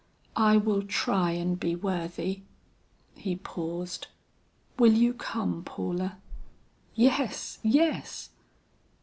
I will try and be worthy " He paused, "Will you come, Paula?" "Yes, yes."